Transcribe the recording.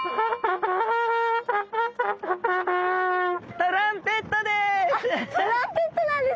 トランペットです。